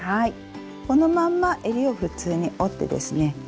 このまんまえりを普通に折ってですね